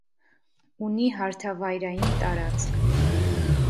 Ունի հարթավայրային տարածք։